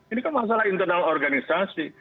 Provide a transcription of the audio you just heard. ini kan masalah internal organisasi